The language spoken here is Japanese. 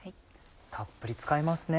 たっぷり使いますね。